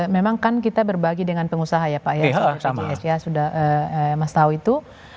memang kan kita berbagi dengan pengusaha ya pak yas ya sudah mas tahu itu